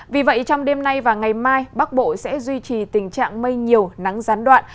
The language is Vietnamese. vì vậy trong đêm nay và ngày mai bắc bộ sẽ duy trì tình trạng mây nhiều nắng gián đoạn